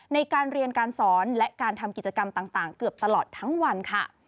ในการเรียนการสอนและการทำกิจกรรมต่างเกือบตลอดทั้งวันค่ะ